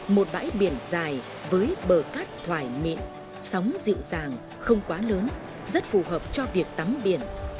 một bãi biển dài với bờ cát thoải mịn sóng dịu dàng không quá lớn rất phù hợp cho việc tắm biển